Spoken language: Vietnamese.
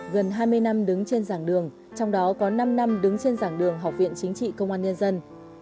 gần hai mươi năm đứng trên dàng đường trong đó có năm năm đứng trên giảng đường học viện chính trị công an nhân dân